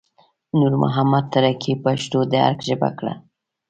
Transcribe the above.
نور محمد تره کي پښتو د ارګ ژبه کړه